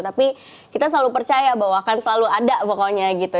tapi kita selalu percaya bahwa akan selalu ada pokoknya gitu